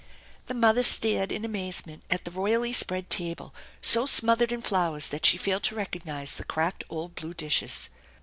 The mother gazed in amazement at the royally spread table, so smothered in flowers that she failed to recognize the cracked old blue dishes.